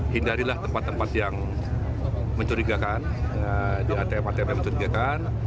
hindarilah tempat tempat yang mencurigakan di atm atm mencurigakan